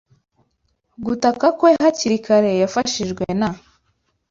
gutaka kwe hakiri kare yafashijwe na